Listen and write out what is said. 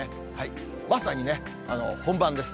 まさにね、本番です。